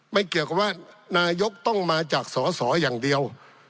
ไม่เกี่ยวกับว่านายกต้องมาจากสอสออย่างเดียว